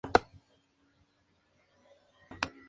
Ana L. Meyers, Dra.